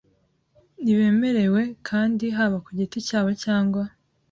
Ntibemerewe kandi haba ku giti cyabo cyangwa